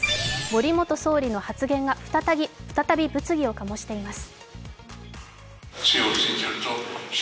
森元総理の発言が、再び物議を醸しています。